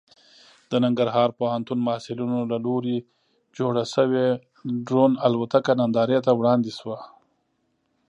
د ننګرهار پوهنتون محصلینو له لوري جوړه شوې ډرون الوتکه نندارې ته وړاندې شوه.